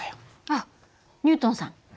あっニュートンさん。